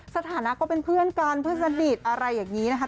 สถานะก็เป็นเพื่อนกันเพื่อนสนิทอะไรอย่างนี้นะคะ